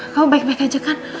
kamu baik baik aja kan